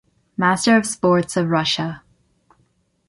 Master of Sports of Russia.